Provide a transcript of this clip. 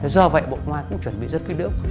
do vậy bộ ngoại cũng chuẩn bị rất kỹ lưỡng